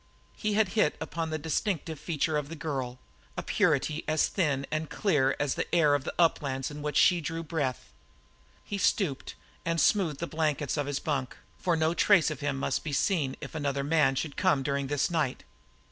He had hit upon the distinctive feature of the girl a purity as thin and clear as the air of the uplands in which she drew breath. He stooped and smoothed down the blankets of his bunk, for no trace of him must be seen if any other man should come during this night.